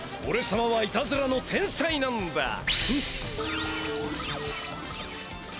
俺様はいたずらの天才なんだ！